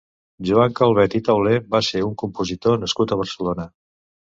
Joan Calvet i Taulé va ser un compositor nascut a Barcelona.